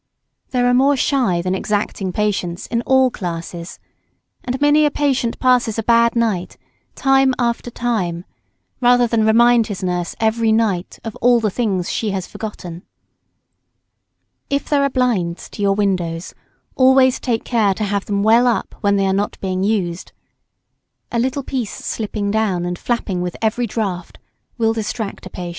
There are more shy than exacting patients, in all classes; and many a patient passes a bad night, time after time, rather than remind his nurse every night of all the things she has forgotten. If there are blinds to your windows, always take care to have them well up, when they are not being used. A little piece slipping down, and flapping with every draught, will distract a patient.